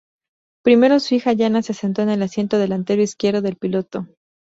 Primero su hija Yana se sentó en el asiento delantero izquierdo del piloto.